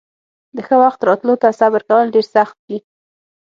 د ښه وخت راتلو ته صبر کول ډېر سخت دي.